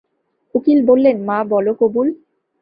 উকিল বললেন, মা, বল কবুল।